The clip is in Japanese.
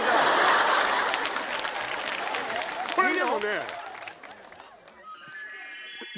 これでもね。